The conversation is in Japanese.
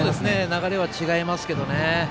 流れは違いますけどね。